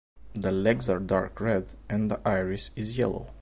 The legs are dark red, and the iris is yellow.